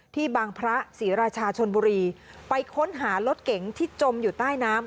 บางพระศรีราชาชนบุรีไปค้นหารถเก๋งที่จมอยู่ใต้น้ำ